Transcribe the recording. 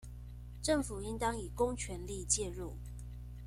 政府應當以公權力介入